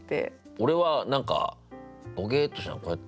俺は何かボケッとしながらこうやって。